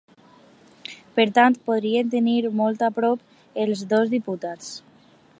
Per tant, podríeu tenir molt a prop els dos diputats.